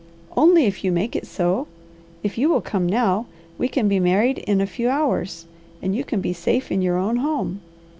"Only if you make it so. If you will come now, we can be married in a few hours, and you can be safe in your own home.